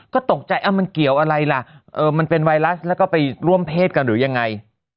ก็ตกใจมันเกี่ยวอะไรล่ะมันเป็นไวรัสแล้วก็ไปร่วมเพศกันหรือยังไง